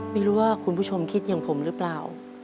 ไม่รู้ว่าคุณผู้ชมคิดอย่างผมหรือเปล่า